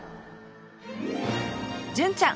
純ちゃん